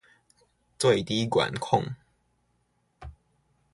最低管控